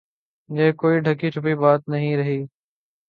یہ کوئی ڈھکی چھپی بات نہیں رہی۔